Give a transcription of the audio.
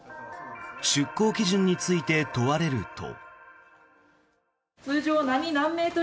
出航基準について問われると。